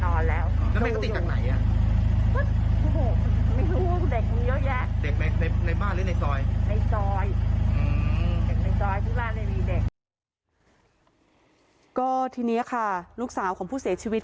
เด็กในซอยทุกบ้านเลยมีเด็กก็ทีนี้ค่ะลูกสาวของผู้เสียชีวิต